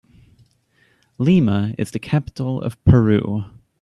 Lima is the capital of Peru.